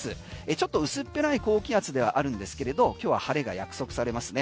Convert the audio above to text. ちょっと薄っぺらい高気圧ではあるんですけれど今日は晴れが約束されますね。